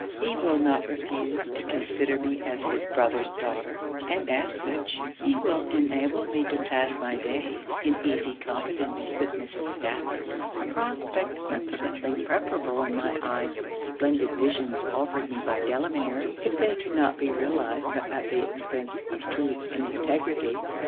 He will not refuse to consider me as his brother's daughter, and as such, he will enable me to pass my days in easy competence with Mrs. Stafford; a prospect infinitely preferable in my eyes to the splendid visions offered me by Delamere, if they cannot be realized but at the expence of truth and integrity.'